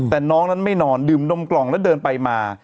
แต่น้องนั้นไม่นอนดื่มนมกล่องแล้วเดินไปมา